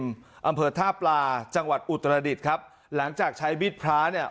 อำเภอท่าปลาจังหวัดอุตรดิษฐ์ครับหลังจากใช้บิดพระเนี่ย